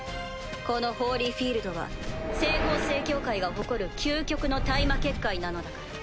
このホーリーフィールドは西方聖教会が誇る究極の対魔結界なのだから。